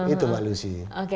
itu pak lucy